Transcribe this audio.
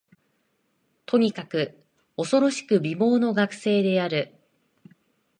とにかく、おそろしく美貌の学生である